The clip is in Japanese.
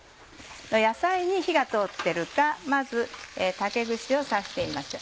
野菜に火が通ってるかまず竹串を刺してみましょう。